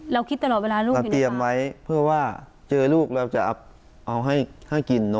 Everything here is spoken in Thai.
เราคิดตลอดเวลาลูกอยู่นะคะเราเตรียมไว้เพื่อว่าเจอลูกเราจะเอาให้ให้กินนมน้ำ